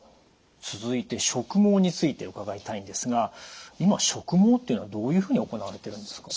続いて植毛について伺いたいんですが今植毛っていうのはどういうふうに行われてるんですか？